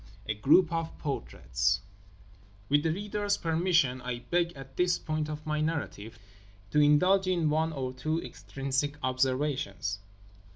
A GROUP OF PORTRAITS With the reader's permission I beg, at this point of my narrative, to indulge in one or two extrinsic observations.